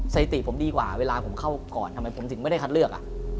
สถิติผมดีกว่าเวลาผมเข้าก่อนทำไมผมถึงไม่ได้คัดเลือก